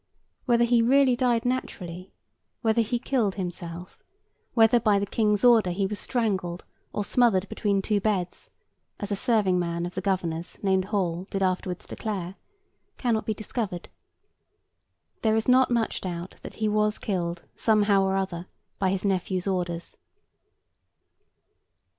Whether he really died naturally; whether he killed himself; whether, by the King's order, he was strangled, or smothered between two beds (as a serving man of the Governor's named Hall, did afterwards declare), cannot be discovered. There is not much doubt that he was killed, somehow or other, by his nephew's orders.